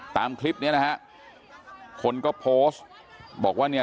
ตามคลิปเนี้ยนะฮะคนก็โพสต์บอกว่าเนี่ย